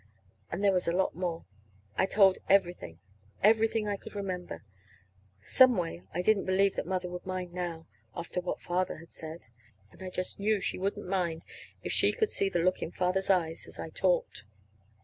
And there was a lot more. I told everything everything I could remember. Some way, I didn't believe that Mother would mind now, after what Father had said. And I just knew she wouldn't mind if she could see the look in Father's eyes as I talked.